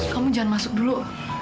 kamu jangan masuk dulu